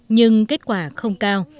nhưng kết quả không cao